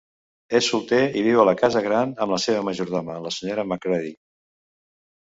És solter i viu a la casa gran amb la seva majordona, la Sra. Macready.